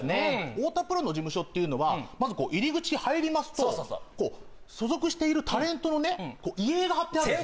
太田プロの事務所っていうのはまずこう入り口入りますとそうそうそうこう所属しているタレントのね遺影がはってあるんですね